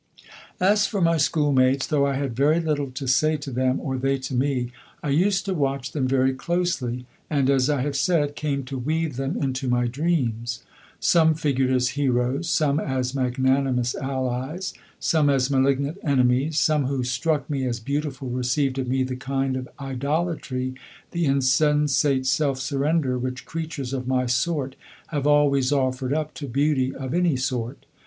As for my school mates, though I had very little to say to them, or they to me, I used to watch them very closely, and, as I have said, came to weave them into my dreams. Some figured as heroes, some as magnanimous allies, some as malignant enemies, some who struck me as beautiful received of me the kind of idolatry, the insensate self surrender which creatures of my sort have always offered up to beauty of any sort.